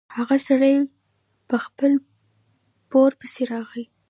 هغه سړی په خپل پور پسې راغی.